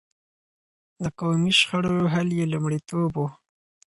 د قومي شخړو حل يې لومړيتوب و.